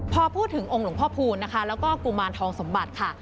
พอพูดถึงองค์หลวงพ่อพูนนะคะแล้วก็กุมารทองสมบัติค่ะ